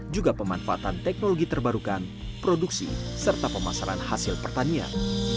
juga pemanfaatan teknologi terbarukan produksi serta pemasaran hasil pertanian